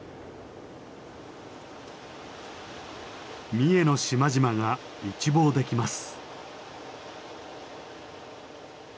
三重の島々が一望できます。